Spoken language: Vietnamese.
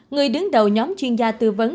người đứng đầu nhóm chuyên gia tư vấn